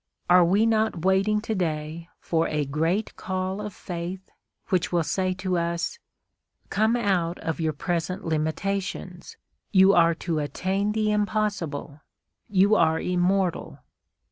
Are we not waiting to day for a great call of faith, which will say to us: "Come out of your present limitations. You are to attain the impossible, you are immortal"?